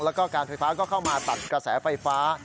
แล้วก็การไฟฟ้าก็เข้ามาตัดกระแสไฟฟ้า